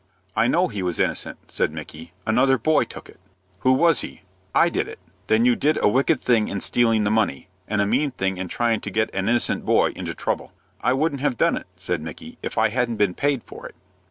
"I know he was innocent," said Micky; "another boy took it." "Who was he?" "I did it." "Then you did a wicked thing in stealing the money, and a mean thing in trying to get an innocent boy into trouble." "I wouldn't have done it," said Micky, "if I hadn't been paid for it."